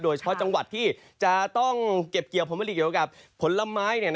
โดยเฉพาะจังหวัดที่จะต้องเก็บเกี่ยวผลผลิตเกี่ยวกับผลไม้